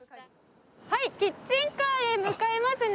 はいキッチンカーへ向かいますね。